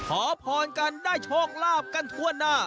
ขอพรกันได้โชคลาภกันทั่วหน้า